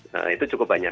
nah itu cukup banyak